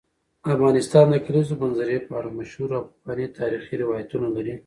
افغانستان د کلیزو منظره په اړه مشهور او پخواي تاریخی روایتونه لري.